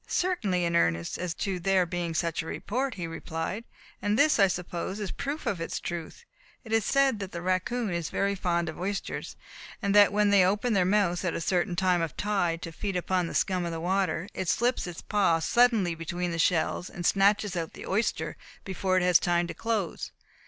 "Certainly, in earnest as to there being such a report," he replied, "and this I suppose is proof of its truth. It is said that the raccoon is very fond of oysters, and that when they open their mouths, at a certain time of tide, to feed upon the scum of the water, it slips its paw suddenly between the shells, and snatches out the oyster before it has time to close.